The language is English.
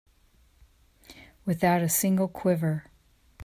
Without a single quiver.